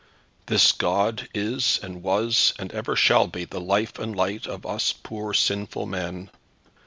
This God is and was and ever shall be the life and light of us poor sinful men.